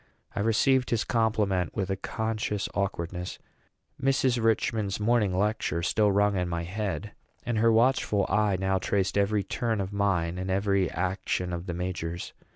I received his compliment with a conscious awkwardness. Mrs. Richman's morning lecture still rang in my head; and her watchful eye now traced every turn of mine and every action of the major's.